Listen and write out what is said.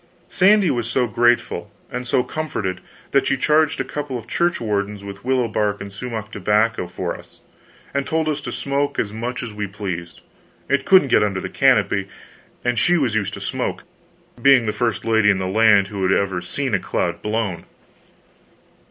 Sandy was so grateful and so comforted that she charged a couple of church wardens with willow bark and sumach tobacco for us, and told us to smoke as much as we pleased, it couldn't get under the canopy, and she was used to smoke, being the first lady in the land who had ever seen a cloud blown.